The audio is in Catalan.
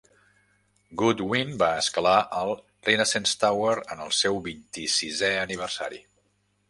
Goodwin va escalar el Renaissance Tower en el seu vint-i-sisè aniversari.